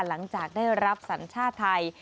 หลังจากได้รับสัญชาติไทย